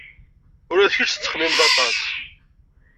Ula d kečč tettxemmimeḍ aṭas.